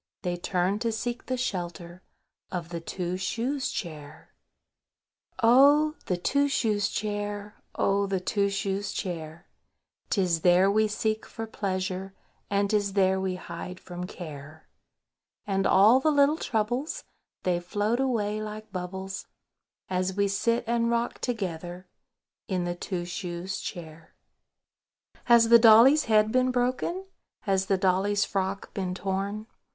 They turn to seek the shelter Of the Two shoes Chair. Chorus.—Oh! the Two shoes Chair! Oh! the Two shoes Chair! 'Tis there we seek for pleasure, And 'tis there we hide from care. And all the little troubles, They float away like bubbles, As we sit and rock together In the Two shoes Chair. Has the dolly's head been broken? Has the dolly's frock been torn?